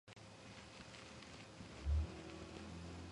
სამხრეთ ნაწილში განვითარებულია შუა ეოცენის ვულკანოგენური წყება.